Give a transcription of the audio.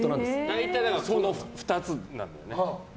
大体その２つなんだよね。